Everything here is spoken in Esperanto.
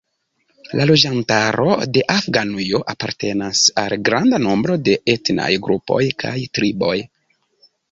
La loĝantaro de Afganujo apartenas al granda nombro de etnaj grupoj kaj triboj.